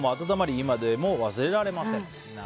今でも忘れられません。